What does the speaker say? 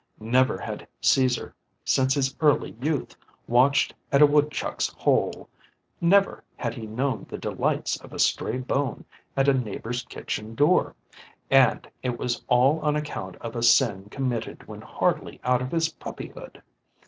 Never had Caesar since his early youth watched at a woodchuck's hole; never had he known the delights of a stray bone at a neighbor's kitchen door. And it was all on account of a sin committed when hardly out of his puppyhood.